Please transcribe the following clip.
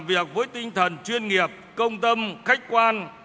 việc với tinh thần chuyên nghiệp công tâm khách quan